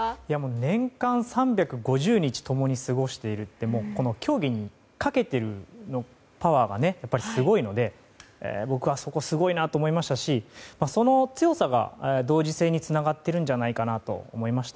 年間３５０日共に過ごしているって競技にかけているパワーがすごいので僕は、そこがすごいなと思いましたしその強さが同時性につながっているんじゃないかなと思いました。